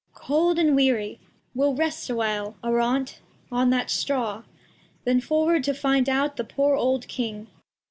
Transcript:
Cord. Cold and weary. We'll rest a while, Arante, on that Straw, Then forward to find out the poor old King. EAg.